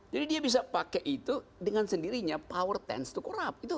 jadi dia bisa pakai itu dengan sendirinya power tends to corrupt